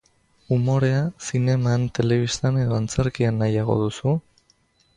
Umorea, zineman, telebistan edo antzerkian nahiago duzu?